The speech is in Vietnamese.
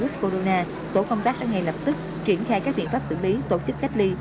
corona tổ công tác sẽ ngay lập tức triển khai các biện pháp xử lý tổ chức cách ly